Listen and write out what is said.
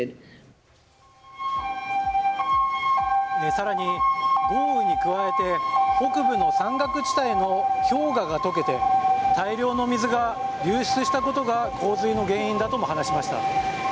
更に豪雨に加えて北部の山岳地帯の氷河が解けて大量の水が流出したことが洪水の原因だとも話しました。